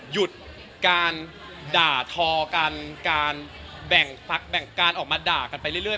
หยุดการด่าทอกันการแบ่งปักแบ่งการออกมาด่ากันไปเรื่อย